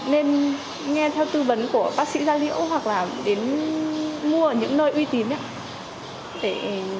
nên nghe theo tư vấn của bác sĩ gia liễu hoặc là đến mua ở những nơi uy tín ạ